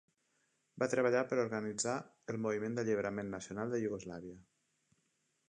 Va treballar per a organitzar el Moviment d'Alliberament Nacional de Iugoslàvia.